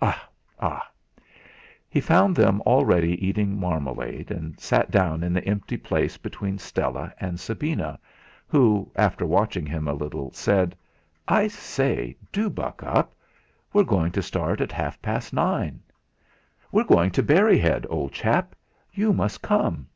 Ah! He found them already eating marmalade, and sat down in the empty place between Stella and Sabina, who, after watching him a little, said: "I say, do buck up; we're going to start at half past nine." "We're going to Berry Head, old chap; you must come!"